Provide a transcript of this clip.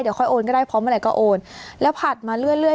เดี๋ยวค่อยโอนก็ได้พร้อมเมื่อไหร่ก็โอนแล้วผัดมาเรื่อย